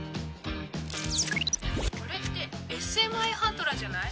これってＳＭＩハンドラじゃない？